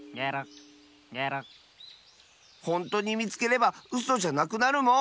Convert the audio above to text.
ほんとにみつければうそじゃなくなるもん！